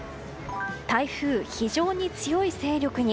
台風、非常に強い勢力に。